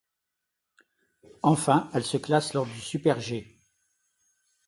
Enfin, elle se classe lors du super-G.